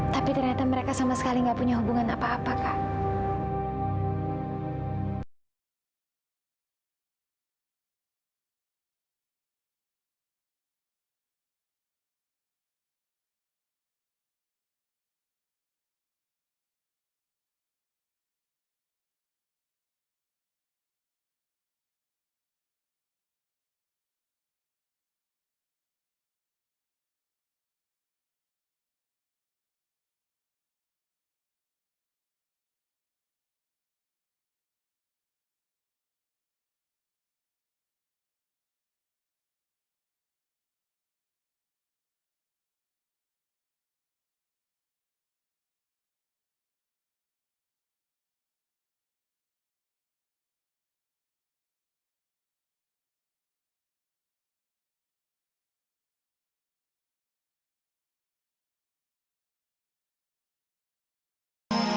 tapi ternyata mereka sama sekali tidak punya hubungan apa apa kak